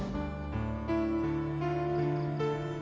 peri ambilin kapak dulu buat kamu